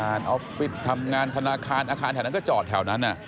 ออฟฟิศทำงานธนาคารอาคารแถวนั้นก็จอดแถวนั้น